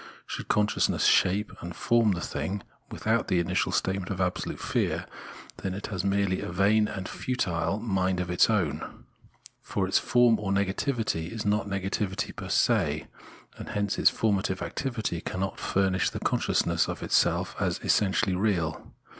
Should conscious ness shape and form the thing without the initial state of absolute fear, then it has merely a vain and futile 188 Phenomenology of Mind " mind of its own "; for its form or negativity is not negativity perse, and hence its formative activity cannot furnish the consciousness of itself as essentially real.